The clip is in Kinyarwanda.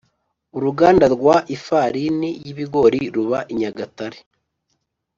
Uruganda rwa ifarini y’ ibigori ruba I nyagatare